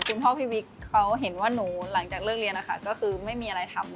พี่วิกเขาเห็นว่าหนูหลังจากเลิกเรียนนะคะก็คือไม่มีอะไรทำ